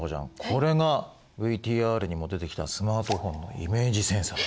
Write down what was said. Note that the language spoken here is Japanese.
これがＶＴＲにも出てきたスマートフォンのイメージセンサです。